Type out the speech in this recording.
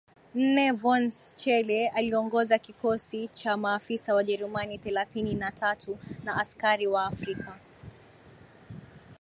nne von Schele aliongoza kikosi cha maafisa Wajerumani thelathini na tatu na askari Waafrika